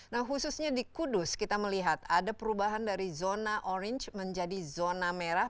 nah khususnya di kudus kita melihat ada perubahan dari zona orange menjadi zona merah